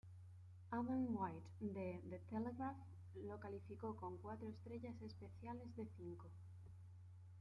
Adam White de "The Telegraph" lo calificó con cuatro estrellas especiales de cinco.